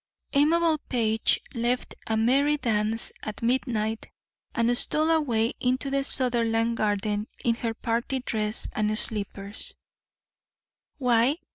Amabel Page left a merry dance at midnight and stole away into the Sutherland garden in her party dress and slippers why?